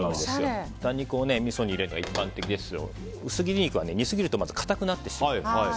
豚肉をみそに入れるのが一般的ですけど薄切り肉は煮すぎると硬くなってしまうので。